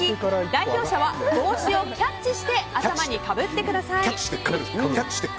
代表者は帽子をキャッチして頭にかぶってください。